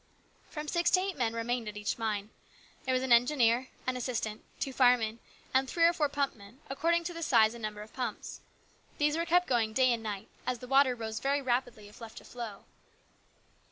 From six to eight men remained at each mine. There was an engineer, an assistant, two firemen, and three or four pump men, according to the size and number of pumps. These were kept going day and night, as the water rose very rapidly if left to flow.